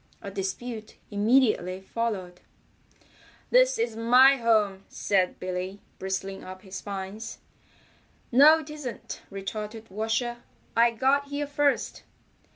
A dispute immediately followed. "This is my home," said Billy, bristling up his spines. "No, it isn't," retorted Washer. "I got here first."